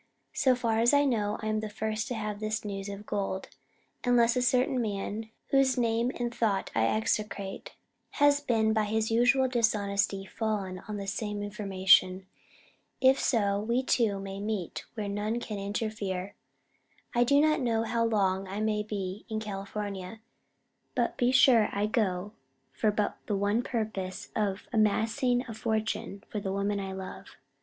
So far as I know, I am the First to have this news of Gold, unless a certain man whose name and thought I execrate has by his Usual dishonesty fallen on the same information. If so, we two may meet where none can Interfear. I do not know how long I may be in California, but be Sure I go for but the one purpose of amassing a Fortune for the Woman I love.